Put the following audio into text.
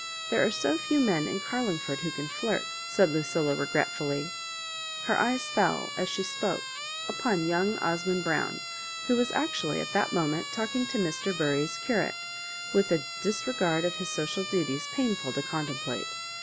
There are so few men in Carlingford who can flirt," said Lucilla, regret fully. Qer eyes f?U (us she spoke upon young Osmond Brown, who was actually at that mo ment talking to Mr. Bury's curate, with a disre gard of his social duties painful to contemplate.